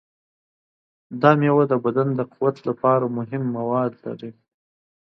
دا میوه د بدن د قوت لپاره مهم مواد لري.